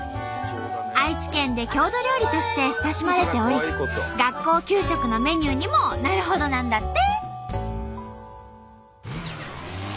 愛知県で郷土料理として親しまれており学校給食のメニューにもなるほどなんだって。